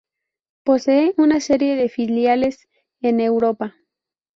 Posee una serie de filiales en Europa.